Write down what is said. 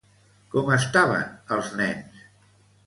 Com estaven els nens?